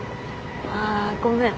ああごめん。